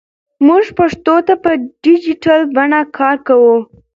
موږ پښتو ته په ډیجیټل بڼه کار کوو.